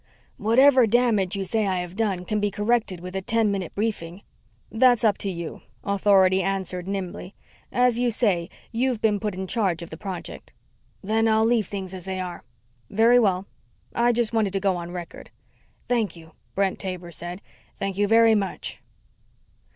"Whatever damage you say I have done can be corrected with a ten minute briefing." "That's up to you," Authority answered nimbly. "As you say, you've been put in charge of the project." "Then I'll leave things as they are." "Very well. I just wanted to go on record." "Thank you," Brent Taber said. "Thank you very much."